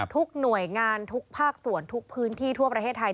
ทุกหน่วยงานทุกภาคส่วนทุกพื้นที่ทั่วประเทศไทย